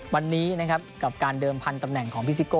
วันนี้นะครับกับการเดิมพันธุ์ตำแหน่งของพี่ซิโก้